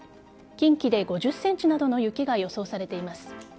近畿で５０ｃｍなどの雪が予想されています。